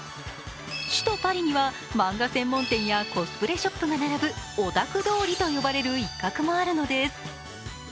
首都パリには漫画専門店やコスプレショップが並ぶオタク通りと呼ばれる一角もあるのです。